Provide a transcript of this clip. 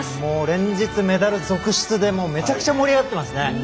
もう連日、メダル続出でめちゃくちゃ盛り上がってますね。